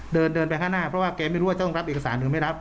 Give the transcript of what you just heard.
เดินเดินไปข้างหน้าเพราะว่าแกไม่รู้ว่าจะต้องรับเอกสารหรือไม่รับ